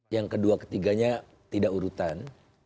yang kedua ketiganya tidak urutan